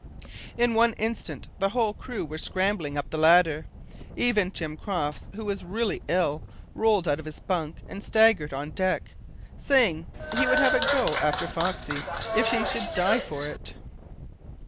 In one instant the whole crew were scrambling up the ladder. Even Jim Crofts, who was really ill, rolled out of his bunk and staggered on deck, saying he would have a "go after foxey if he should die for it!"